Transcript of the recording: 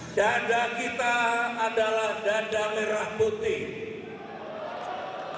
dada kita adalah dada merah putih